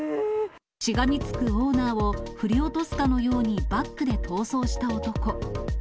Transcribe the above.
しがみつくオーナーを、振り落とすかのようにバックで逃走した男。